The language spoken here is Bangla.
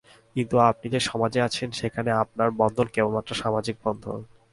কিন্তু আপনি যে সমাজে আছেন সেখানে আপনার বন্ধন কেবলমাত্র সামাজিক বন্ধন।